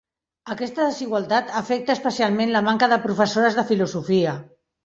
Aquesta desigualtat afecta especialment la manca de professores de filosofia.